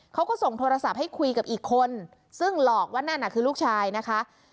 เขาก็ส่งโทรศัพท์ให้คุยกับอีกคนซึ่งหลอกว่านั่นน่ะคือลูกชายนะคะ